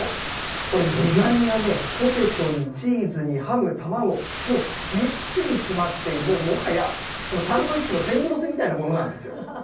これ、具材がポテトにチーズにハム、たまご、もうぎっしり詰まっている、もはやサンドウィッチの全部載せみたいなものなんですよ。